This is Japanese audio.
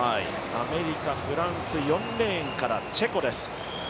アメリカ、フランス４レーンからチェコです。